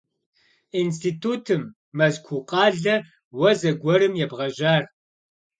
Институтым Мэзкуу къалэ уэ зэгуэрым ебгъэжьар?